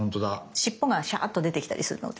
尻尾がシャーッと出てきたりするので。